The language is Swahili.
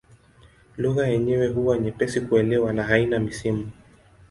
Lugha yenyewe huwa nyepesi kuelewa na haina misimu.